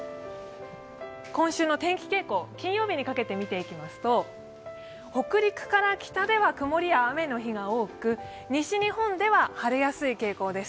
今週の天気傾向を金曜日にかけて見ていきますと北陸から北では曇りや雨の日が多く西日本では晴れやすい傾向です。